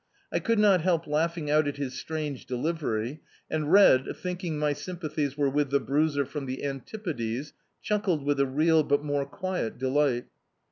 I could not help lau^iing out at his strange delivery, and Red, think ing my sympathies were with the bruiser from the Antipodes, chuckled with a real, but more quiet de light.